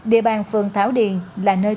địa bàn phường thảo điền là nơi